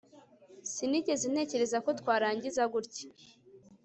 Sinigeze ntekereza ko twarangiza gutya